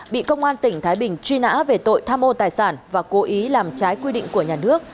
bị công an tỉnh thái bình truy nã về tội tham ô tài sản và cố ý làm trái quy định của nhà nước